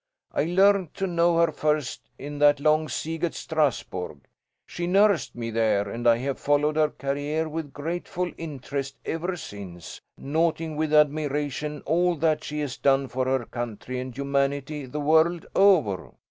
I learned to know her first in that long siege at Strasburg. She nursed me there, and I have followed her career with grateful interest ever since, noting with admiration all that she has done for her country and humanity the world over.